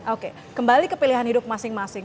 oke kembali ke pilihan hidup masing masing